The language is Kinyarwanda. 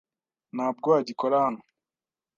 Ntabwo agikora hano.